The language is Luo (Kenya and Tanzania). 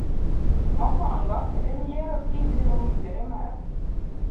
Mokwongo, en yiero kinde mowinjore mar